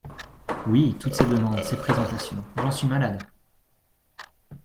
Oui, toutes ces demandes, ces présentations… j’en suis malade !…